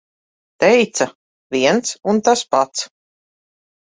Teica - viens un tas pats.